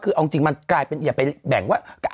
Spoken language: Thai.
คือเอาจริงมันกลายเป็นอย่าไปแบ่งว่า